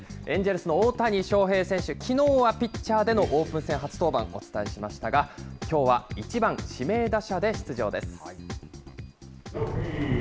エンジェルスの大谷翔平選手、きのうはピッチャーでのオープン戦初登板、お伝えしましたが、きょうは１番指名打者で出場です。